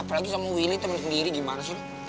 apalagi sama willy teman sendiri gimana sih